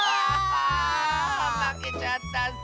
あぁまたまけちゃったッス。